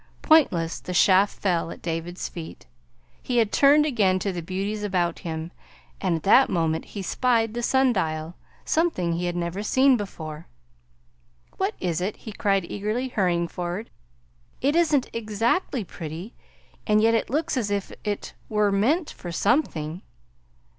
Pointless the shaft fell at David's feet. He had turned again to the beauties about him, and at that moment he spied the sundial something he had never seen before. "What is it?" he cried eagerly, hurrying forward. "It isn't exactly pretty, and yet it looks as if 't were meant for something."